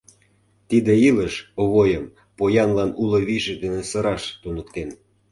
Тиде илыш Овойым поянлан уло вийже дене сыраш туныктен...